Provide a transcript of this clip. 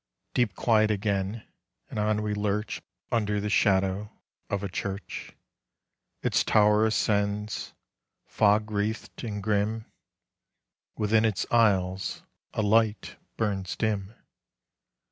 Deep quiet again, and on we lurch Under the shadow of a church: Its tower ascends, fog wreathed and grim; Within its aisles a light burns dim....